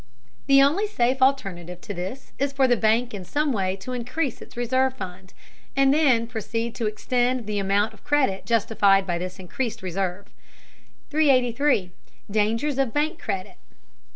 The only safe alternative to this is for the bank in some way to increase its reserve fund, and then proceed to extend the amount of credit justified by this increased reserve. 383. DANGERS OF BANK CREDIT.